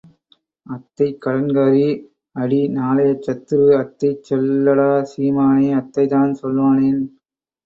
அத்தை கடன்காரி அடி நாளைய சத்துரு, அத்தைச் சொல்லடா சீமானே, அத்தைத்தான் சொல்வானேன்?